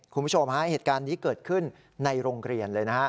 คุณผู้ชมฮะเหตุการณ์นี้เกิดขึ้นในโรงเรียนเลยนะฮะ